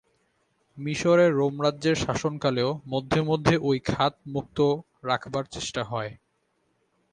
মিসরে রোমরাজ্যের শাসনকালেও মধ্যে মধ্যে ঐ খাত মুক্ত রাখবার চেষ্টা হয়।